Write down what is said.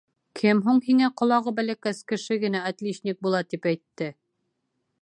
— Кем һуң һиңә ҡолағы бәләкәс кеше генә отличник була тип әйтте?